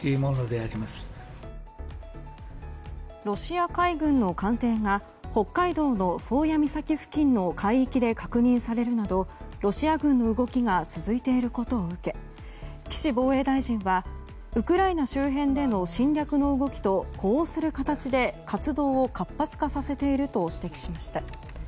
ロシア海軍の艦艇が北海道の宗谷岬付近の海域で確認されるなどロシア軍の動きが続いていることを受け岸防衛大臣はウクライナ周辺での侵略の動きと呼応する形で活動を活発化させていると指摘しました。